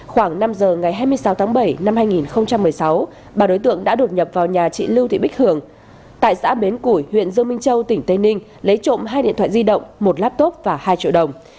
khoảng năm giờ ngày hai mươi sáu tháng bảy năm hai nghìn một mươi sáu ba đối tượng đã đột nhập vào nhà chị lưu thị bích hường tại xã bến củi huyện dương minh châu tỉnh tây ninh lấy trộm hai điện thoại di động một laptop và hai triệu đồng